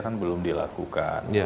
kan belum dilakukan